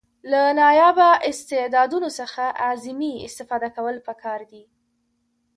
له نایابه استعدادونو څخه اعظمي استفاده کول پکار دي.